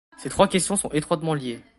Ces trois questions sont étroitement liées.